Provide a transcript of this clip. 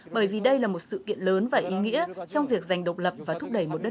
bởi vì đây là một sự kiện lớn và ý nghĩa trong việc giành độc lập và thúc đẩy một đất nước